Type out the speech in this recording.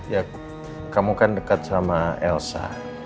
ya kamu kan dekat sama elsa